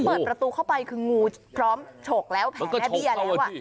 เปิดประตูเข้าไปคืองูพร้อมฉกแล้วแผลแม่เบี้ยแล้ว